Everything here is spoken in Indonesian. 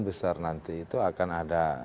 besar nanti itu akan ada